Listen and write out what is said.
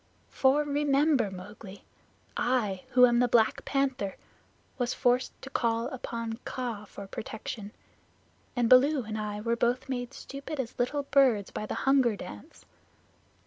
For, remember, Mowgli, I, who am the Black Panther, was forced to call upon Kaa for protection, and Baloo and I were both made stupid as little birds by the Hunger Dance.